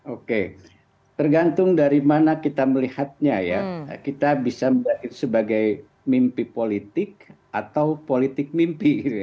oke tergantung dari mana kita melihatnya ya kita bisa melihat itu sebagai mimpi politik atau politik mimpi